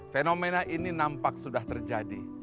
fenomena ini nampak sudah terjadi